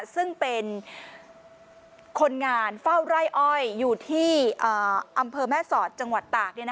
ซึ่งเป็นคนงานเฝ้าไร่อ้อยอยู่ที่อำเภอแม่สอดจังหวัดตาก